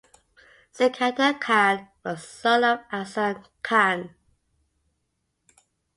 Sikandar Khan was son of Hassan Khan.